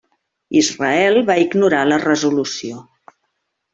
Israel va ignorar la resolució.